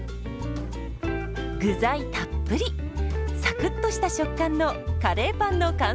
具材たっぷりサクッとした食感のカレーパンの完成です。